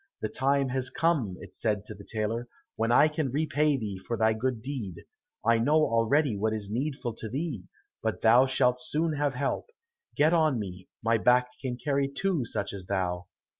"The time has come," it said to the tailor, "when I can repay thee for thy good deed. I know already what is needful to thee, but thou shalt soon have help; get on me, my back can carry two such as thou."